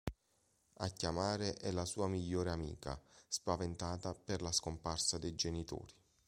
A chiamare è la sua migliore amica, spaventata per la scomparsa dei genitori.